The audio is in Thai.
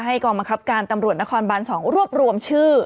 กองบังคับการตำรวจนครบาน๒รวบรวมชื่อ